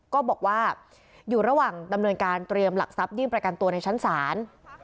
ก็บอกว่าอยู่ระหว่างดำเนินการเตรียมหลักทรัพยื่นประกันตัวในชั้นศาล